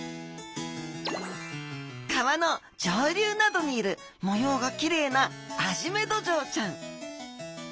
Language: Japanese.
川の上流などにいる模様がきれいなアジメドジョウちゃん。